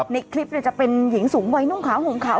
ในคลิปเนี่ยจะเป็นหญิงสูงไหว้นุ่มขาวหงคาว